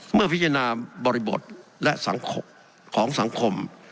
เมื่อพิจารณาบริบทของสังคม